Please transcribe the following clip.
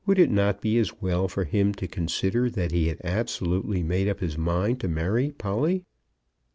Would it not be as well for him to consider that he had absolutely made up his mind to marry Polly?